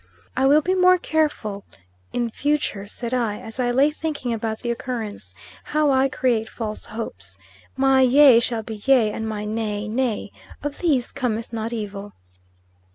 "I will be more careful in future," said I, as I lay thinking about the occurrence, "how I create false hopes. My yea shall be yea, and my nay nay. Of these cometh not evil."